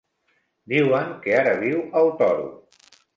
Diuen que ara viu al Toro.